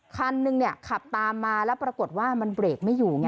คันนึงขับตามมาแล้วปรากฏว่ามันเบรกไม่อยู่ไง